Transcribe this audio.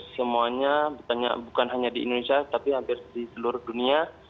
semuanya bukan hanya di indonesia tapi hampir di seluruh dunia